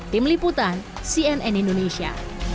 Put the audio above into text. tim liputan cnn indonesia